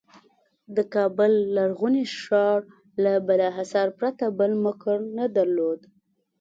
د کابل لرغوني ښار له بالاحصار پرته بل مقر نه درلود.